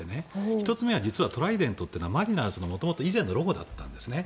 １つ目は実はトライデントというのはマリナーズの以前のロゴだったんですね。